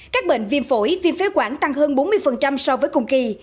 các bệnh viêm phổi viêm phế quản tăng hơn bốn mươi so với cùng kỳ